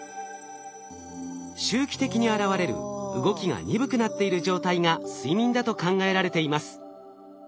周期的に現れる動きが鈍くなっている状態が睡眠だと考えられています。